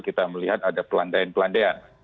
kita melihat ada pelandaian pelandaian